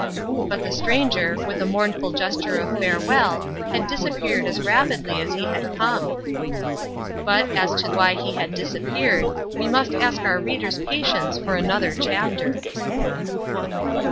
But the stranger, with a mournful gesture of farewell, had disappeared as rapidly as he had come. But, as to why he had disappeared, we must ask our reader's patience for another chapter.